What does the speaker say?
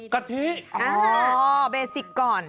กะทิเบสิกก่อน